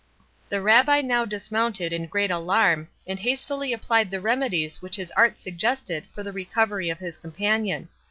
The Rabbi now dismounted in great alarm, and hastily applied the remedies which his art suggested for the recovery of his companion.